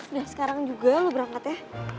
udah sekarang juga lo berangkat ya